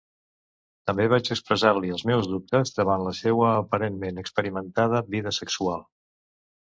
També vaig expressar-li els meus dubtes davant de la seua aparentment experimentada vida sexual.